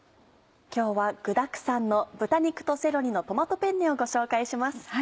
今日は具だくさんの「豚肉とセロリのトマトペンネ」をご紹介します。